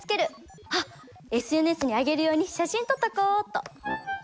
あっＳＮＳに上げるように写真撮っとこうっと。